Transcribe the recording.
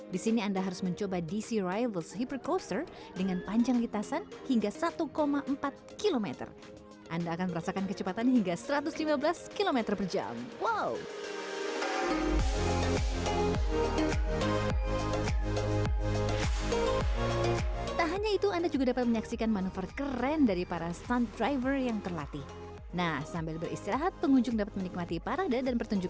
di sini anda harus mencoba dc rivals hypercoaster dengan panjang litasan hingga satu empat kilometer